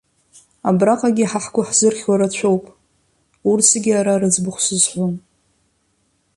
Абраҟагьы, ҳгәы ҳзырхьуа рацәоуп, урҭ зегьы ара рыӡбахә сызҳәом.